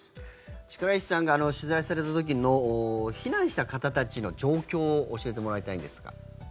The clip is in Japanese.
力石さんが取材された時の避難した方たちの状況を教えてもらいたいんですが。